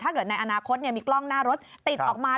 ในอนาคตมีกล้องหน้ารถติดออกมา